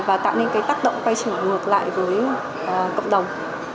và tạo nên cái tác động quay trở ngược lại với cộng đồng